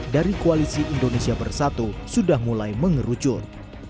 dari koalisi indonesia bersatu sudah mulai mengerucut